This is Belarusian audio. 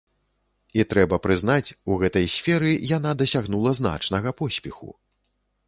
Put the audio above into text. І трэба прызнаць, у гэтай сферы яна дасягнула значнага поспеху.